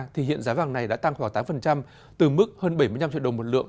thì hiện giá vàng này đã tăng khoảng tám từ mức hơn bảy mươi năm triệu đồng một lượng